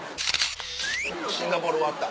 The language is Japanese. シンガポール終わった。